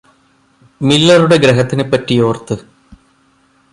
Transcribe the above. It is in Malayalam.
മില്ലറുടെ ഗ്രഹത്തിനെപ്പറ്റിയോര്ത്ത്